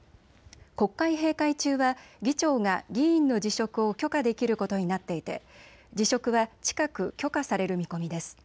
国会閉会中は議長が議員の辞職を許可できることになっていて辞職は近く許可される見込みです。